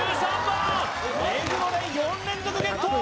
目黒蓮４連続ゲット。